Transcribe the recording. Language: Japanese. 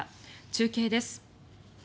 中継です。